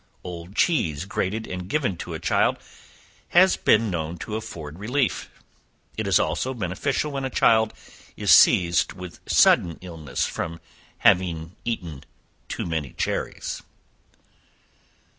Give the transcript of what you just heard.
Old cheese grated and given to a child, has been known to afford relief: it is also beneficial when a child is seized with sudden illness from having eaten too many cherries.